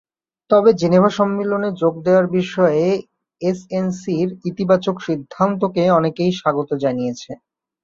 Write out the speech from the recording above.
তবে জেনেভা সম্মেলনে যোগ দেওয়ার বিষয়ে এসএনসির ইতিবাচক সিদ্ধান্তকে অনেকে স্বাগত জানিয়েছে।